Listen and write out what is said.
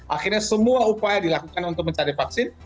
akhirnya semua upaya dilakukan untuk mencari vaksin